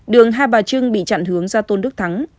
đường hai bà trưng bị chặn hướng ra tôn đức thắng